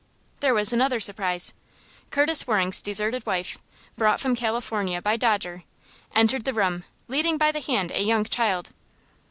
There was another surprise. Curtis Waring's deserted wife, brought from California by Dodger, entered the room, leading by the hand a young child.